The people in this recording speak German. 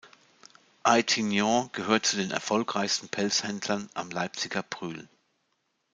Eitingon gehörte zu den erfolgreichsten Pelzhändlern am Leipziger Brühl.